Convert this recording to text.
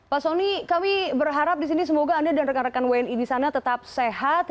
pak soni kami berharap di sini semoga anda dan rekan rekan wni di sana tetap sehat